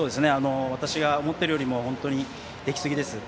私が思っているよりも本当にできすぎです。